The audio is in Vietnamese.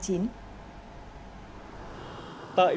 tại biển hà nội